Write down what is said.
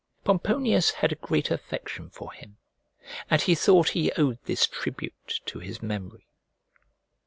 Pomponius had a great affection for him, and he thought he owed this tribute to his memory.